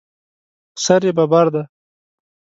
سر یې ببر دی.